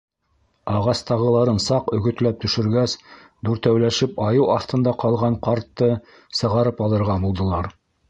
Ағастағыларын саҡ өгөтләп төшөргәс, дүртәүләшеп айыу аҫтында ҡалған ҡартты сығарып алырға булдылар.